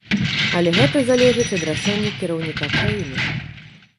Але гэта залежыць ад рашэння кіраўніка краіны.